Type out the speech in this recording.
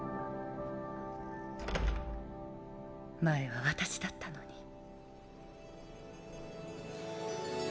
前は私だったのに。